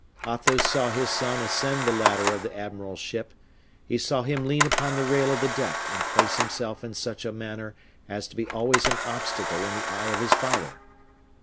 Athos saw his son ascend the ladder of the admiral's ship, he saw him lean upon the rail of the deck, and place himself in such a manner as to be always an object in the eye of his father.